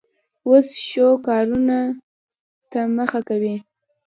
اوس ښو کارونو ته مخه کوي.